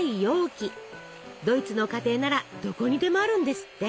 ドイツの家庭ならどこにでもあるんですって。